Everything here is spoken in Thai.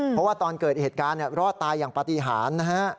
เพราะว่าตอนเกิดเหตุการณ์รอดตายอย่างปฏิหารนะฮะ